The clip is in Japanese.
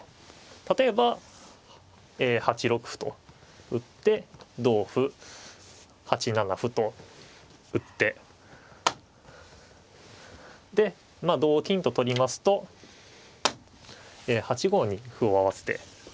例えば８六歩と打って同歩８七歩と打ってでまあ同金と取りますと８五に歩を合わせて。